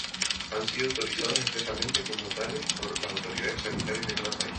Han sido autorizados expresamente como tales por las autoridades sanitarias de cada país.